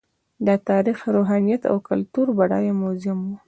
دا د تاریخ، روحانیت او کلتور بډایه موزیم و.